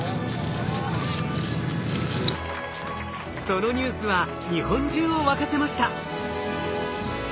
そのニュースは日本中を沸かせました。